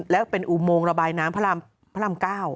แล้วเป็นอุโมงระบายน้ำพระราม๙